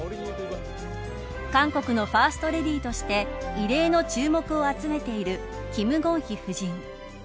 韓国のファーストレディーとして異例の注目を集めている金建希夫人。